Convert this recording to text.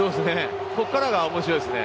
ここからが面白いですね。